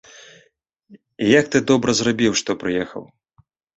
Як ты добра зрабіў, што прыехаў.